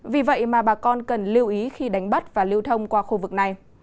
vì vậy mà bà con cần lưu ý khi đánh bắt và lưu thông qua khu vực này